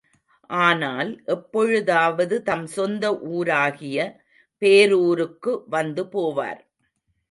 ஆனால் எப்பொழுதாவது தம் சொந்த ஊராகிய பேரூருக்கு வந்து போவார்.